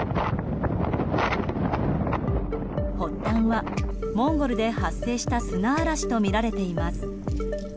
発端はモンゴルで発生した砂嵐とみられています。